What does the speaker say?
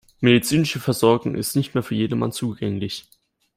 Medizinische Versorgung ist nicht mehr für jedermann zugänglich.